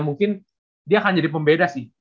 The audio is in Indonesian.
mungkin dia akan jadi pembeda sih